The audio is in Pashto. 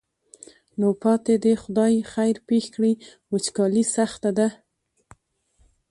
نو پاتې دې خدای خیر پېښ کړي وچکالي سخته ده.